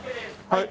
はい。